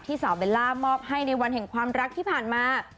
สาวเบลล่ามอบให้ในวันแห่งความรักที่ผ่านมา